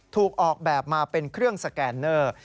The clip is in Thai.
ถูกออกแบบมาเป็นเครื่องสแกนเนอร์